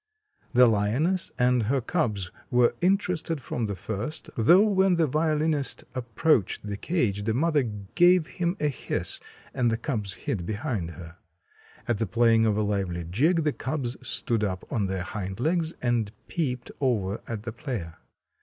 "The lioness and her cubs were interested from the first, though when the violinist approached the cage the mother gave him a hiss and the cubs hid behind her. At the playing of a lively jig the cubs stood up on their hind legs and peeped over at the player.